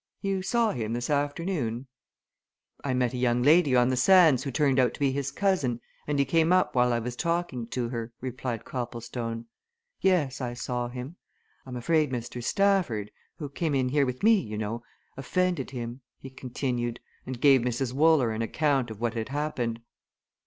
You saw him this afternoon?" "I met a young lady on the sands who turned out to be his cousin, and he came up while I was talking to her," replied Copplestone. "Yes, I saw him. I'm afraid Mr. Stafford, who came in here with me, you know, offended him," he continued, and gave Mrs. Wooler an account of what had happened.